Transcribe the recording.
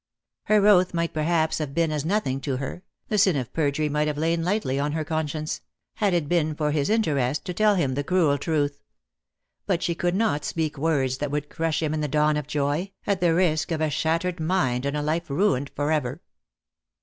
Her oath might perhaps have been as nothing to her — the sin of perjury might have lain lightly on her conscience — had it been for his interest to tell him the cruel truth. But she could not speak words that would crush him in the dawn of joy, at the risk of a shattered mind and a life ruined for ever.